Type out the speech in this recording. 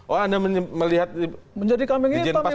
oh anda melihat dijenepas menjadi kambing hitam